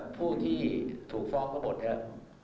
ผู้ที่ถูกฟ้องเข้าบทครับ